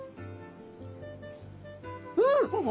うん！